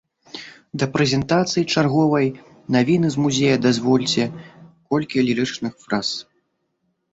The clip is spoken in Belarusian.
Да прэзентацыі чарговай навіны з музея дазвольце колькі лірычных фраз.